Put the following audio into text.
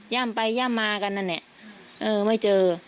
ย่ำไปย่ำมากันน่ะเนี่ยเออไม่เจอ